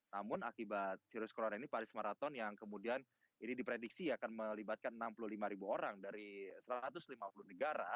namun akibat virus corona ini paris marathon yang kemudian ini diprediksi akan melibatkan enam puluh lima ribu orang dari satu ratus lima puluh negara